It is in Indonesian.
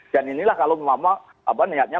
dan inilah kalau mama niatnya